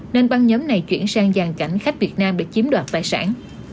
nên băng nhóm này chuyển sang giàn cảnh khách việt nam để chiếm đoạt tài sản